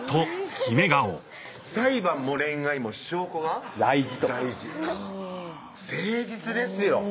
裁判も恋愛も証拠が大事と大事はぁ誠実ですよ